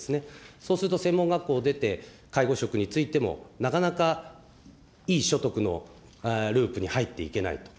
そうすると専門学校を出て、介護職に就いても、なかなかいい所得のループに入っていけないと。